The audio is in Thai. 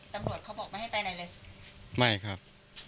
ตำรวจเขาบอกไม่ให้ไปไหนเลยไม่ครับ